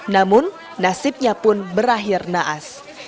namun nasibnya pun berakhir naas